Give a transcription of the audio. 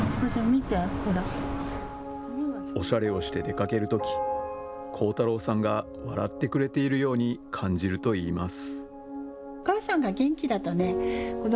おしゃれをして出かけるとき光太郎さんが笑ってくれているように感じるといいます。